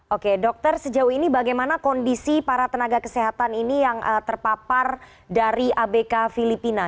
oke dokter sejauh ini bagaimana kondisi para tenaga kesehatan ini yang terpapar dari abk filipina